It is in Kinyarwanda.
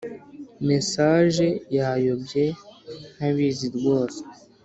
mesaje yayobye ntabizi rwose